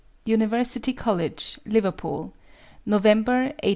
UNIVERSITY COLLEGE, LIVERPOOL, November, 1892.